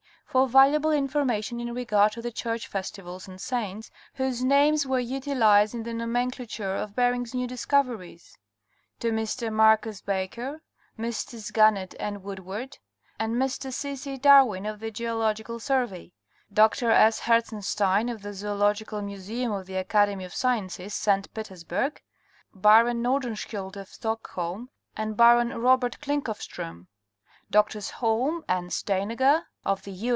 for valuable informa tion in regard to the church festivals and saints, whose names were utilized in the nomenclature of Bering's new discoveries. To Mr. Marcus Baker, Messrs. Gannett and Woodward, and Mr. C. C. Darwin of the Geological Survey ; Dr. 8. Hertzenstein of the Zoological Museum of the Academy of Sciences, St. Peters burg; Baron Nordenskiédld of Stockholm, and Baron Robert Klinckofstrém ; Drs. Holm and Stejneger of the U.